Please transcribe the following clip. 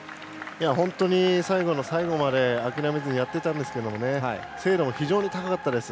本当に最後の最後まで諦めずにやってたんですけど精度も非常に高かったです。